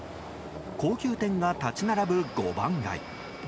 高級店が立ち並ぶ五番街。